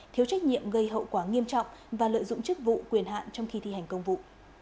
thiếu trách nhiệm gây hậu quả nghiêm trọng và lợi dụng chức vụ quyền hạn trong khi thi hành công vụ